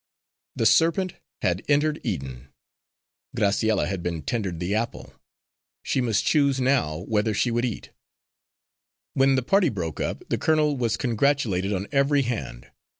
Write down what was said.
The serpent had entered Eden. Graciella had been tendered the apple. She must choose now whether she would eat. When the party broke up, the colonel was congratulated on every hand.